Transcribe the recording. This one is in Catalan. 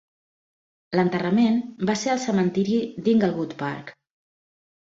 L'enterrament va ser al cementiri d'Inglewood Park.